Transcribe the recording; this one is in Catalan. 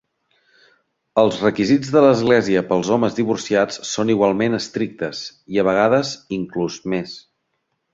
Els requisits de l'església pels homes divorciats són igualment estrictes, i a vegades inclús més.